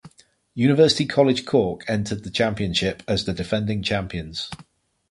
University College Cork entered the championship as the defending champions.